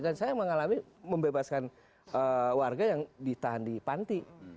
dan saya mengalami membebaskan warga yang ditahan di panti